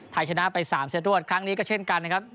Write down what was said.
ไทยชนะไป๓เซตรวดครั้งนี้ก็เช่นกันนะครับ